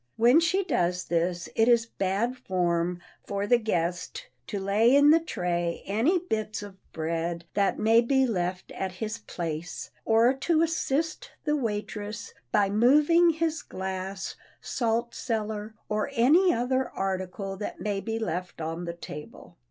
When she does this it is bad form for the guest to lay in the tray any bits of bread that may be left at his place or to assist the waitress by moving his glass, salt cellar, or any other article that may be left on the table.